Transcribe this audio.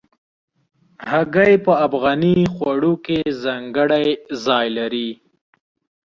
هګۍ په افغاني خوړو کې ځانګړی ځای لري.